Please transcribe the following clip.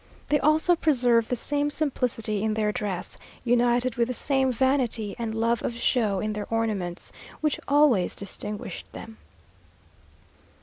They also preserve the same simplicity in their dress, united with the same vanity and love of show in their ornaments, which always distinguished them.